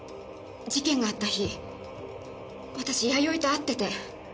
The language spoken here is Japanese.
事件があった日私弥生と会ってて。